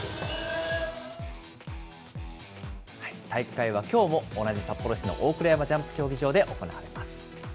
大会は、きょうも同じ札幌市の大倉山ジャンプ競技場で行われます。